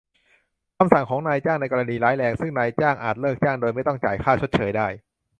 คำสั่งของนายจ้างในกรณีร้ายแรง ซึ่งนายจ้างอาจเลิกจ้างโดยไม่ต้องจ่ายค่าชดเชยได้